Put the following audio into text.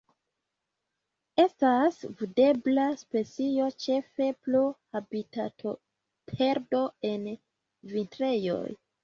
Estas vundebla specio ĉefe pro habitatoperdo en vintrejoj.